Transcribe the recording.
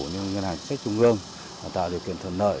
những nhà hành chính sách trung gương tạo điều kiện thuận lợi